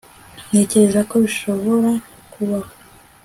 Ntekereza ko bishobora kubaho